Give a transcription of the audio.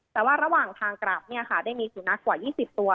แต่ว่าระหว่างทางกลับได้มีสุนัขกว่า๒๐ตัว